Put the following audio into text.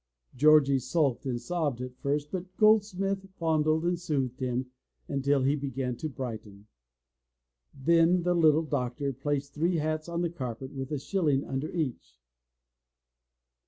Georgie sulked and sobbed at first, but Goldsmith fondled and soothed him until he began to brighten. Then the little Doctor placed three hats on the carpet with a shilling under each.